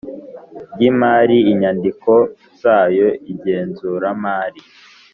Ry imari inyandiko zayo igenzuramari